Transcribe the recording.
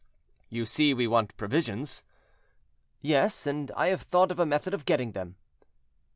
"You see we want provisions." "Yes, and I have thought of a method of getting them."